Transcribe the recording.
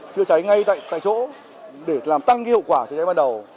chứa cháy ngay tại chỗ để làm tăng cái hậu quả chứa cháy ban đầu